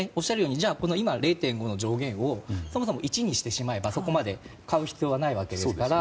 今、０．５の上限をそもそも１にしてしまえばそこまで買う必要はないわけですから。